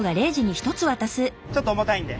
ちょっと重たいんで。